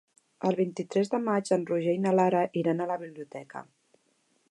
El vint-i-tres de maig en Roger i na Lara iran a la biblioteca.